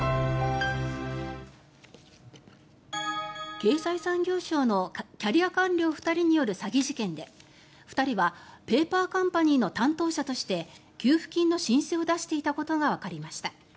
経済産業省のキャリア官僚２人による詐欺事件で２人はペーパーカンパニーの担当者として給付金の申請を出していたことがわかりました。